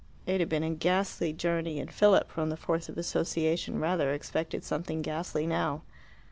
It had been a ghastly journey, and Philip, from the force of association, rather expected something ghastly now.